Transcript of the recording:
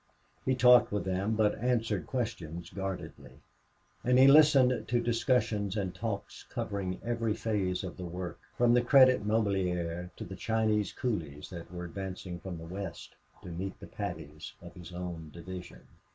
He talked with them, but answered questions guardedly. And he listened to discussions and talks covering every phase of the work, from the Credit Mobilier to the Chinese coolies that were advancing from the west to meet the Paddies of his own division.